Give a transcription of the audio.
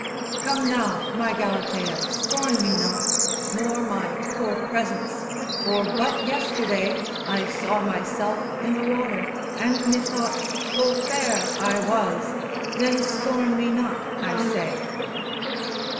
Come now, my Galatea, scorn me not, Nor my poor presents; for but yesterday I saw myself i' th' water, and methought Full fair I was, then scorn me not I say.